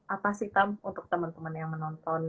apa sih tam untuk teman teman yang menonton